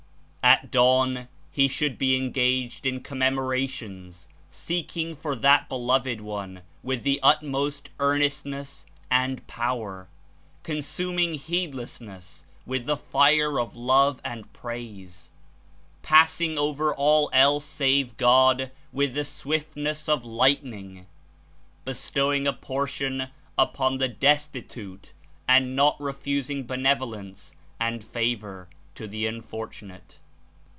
"At dawn, he should be engaged In commemora tions, seeking for that Beloved One with the utmost earnestness and power; consuming heedlessness with the fire of love and praise; passing over all else save God with the swiftness of lightning; bestowing a por tion upon the destitute and not refusing benevolence and favor to the unfortunate.